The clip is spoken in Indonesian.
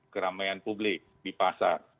keramaian publik di pasar